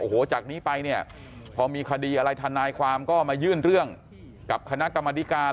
โอ้โหจากนี้ไปเนี่ยพอมีคดีอะไรทนายความก็มายื่นเรื่องกับคณะกรรมธิการ